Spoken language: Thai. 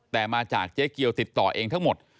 แต่มาจากเจ๊เกียวติดต่อเองทั้งหมด